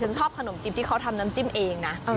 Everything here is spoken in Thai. ชอบขนมจิ้มที่เขาทำน้ำจิ้มเองนะ